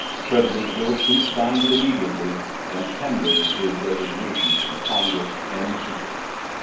President Williston signed it immediately and tendered his resignation to the Congress and the people.